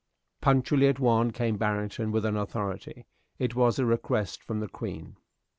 '" Punctually at one came Barrington with an authority. It was a request from the Queen.